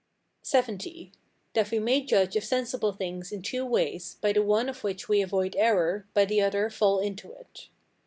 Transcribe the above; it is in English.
LXX. That we may judge of sensible things in two ways, by the one of which we avoid error, by the other fall into it.